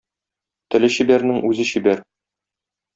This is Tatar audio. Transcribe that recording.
Теле чибәрнең үзе чибәр.